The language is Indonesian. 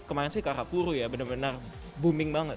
kemarin sih kahapuru ya benar benar booming banget